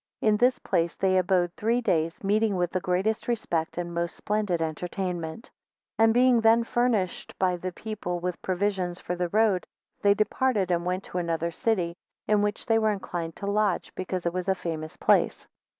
9 In this place they abode three days, meeting with the greatest respect and most splendid entertainment. 10 And being then furnished by the people with provisions for the road, they departed and went to another city, in which they were inclined to lodge, because it was a famous place.